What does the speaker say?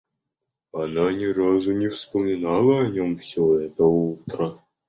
Она ни разу не вспоминала о нем всё это утро.